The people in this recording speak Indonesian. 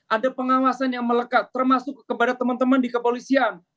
ada pengawasan yang melekat termasuk kepada teman teman di kepolisian